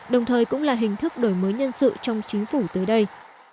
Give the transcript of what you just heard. đồng thời cũng là hình thức đổi mới nhân sự trong chính phủ tới đây